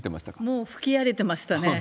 もう吹き荒れてましたね。